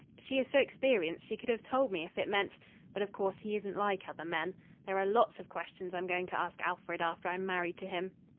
She is so experienced she could have told me if it meant but, of course, he isn't like other men! There are lots of questions I'm going to ask Alfred after I'm married to him.